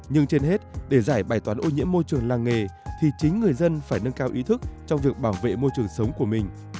nhưng trên hết để giải bài toán ô nhiễm môi trường làng nghề thì chính người dân phải nâng cao ý thức trong việc bảo vệ môi trường sống của mình